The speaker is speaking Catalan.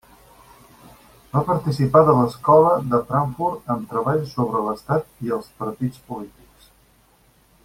Va participar de l'Escola de Frankfurt amb treballs sobre l'Estat i els Partits polítics.